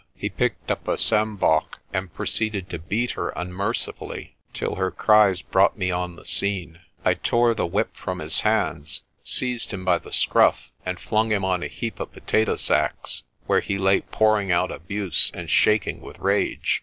He picked up a sjambok, and proceeded to beat her unmercifully till her cries brought me on the scene. I tore the whip from his hands, seized him by the scruff and flung him on a heap of potato sacks, where he lay pouring out abuse and shaking with rage.